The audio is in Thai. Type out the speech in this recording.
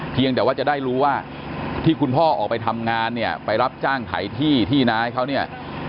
เพียงแต่ว่าจะได้รู้ว่าที่คุณพ่อออกไปทำงานเนี่ยไปรับจ้างไถที่ที่น้าให้เขาเนี่ย